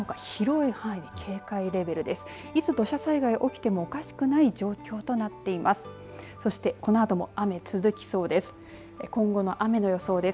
いつ土砂災害起きてもおかしくない状況となっています。